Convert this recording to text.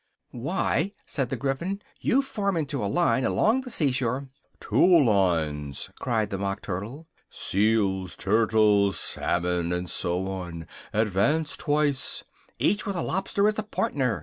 "Why," said the Gryphon, "you form into a line along the sea shore " "Two lines!" cried the Mock Turtle, "seals, turtles, salmon, and so on advance twice " "Each with a lobster as partner!"